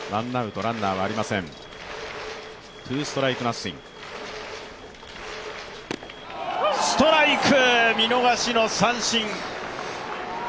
ストライク、見逃しの三振。